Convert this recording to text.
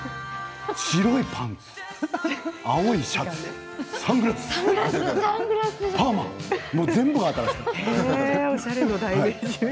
白いパンツ、青いシャツサングラス、パーマ全部が新しかった。